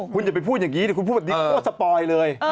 คุณอย่าไปพูดอย่างนี้ถ้าคุณพูดแบบนี้ผมก็ว่าสปอยเลย